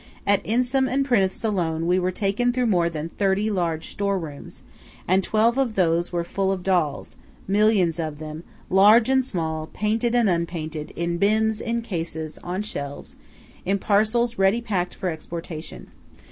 At Insam and Prinoth's alone, we were taken through more than thirty large store rooms, and twelve of these were full of dolls–millions of them, large and small, painted and unpainted, in bins, in cases, on shelves, in parcels ready packed for exportation.